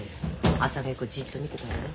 朝稽古じっと見てたわよ。